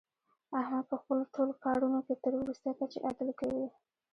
احمد په خپلو ټول کارونو کې تر ورستۍ کچې عدل کوي.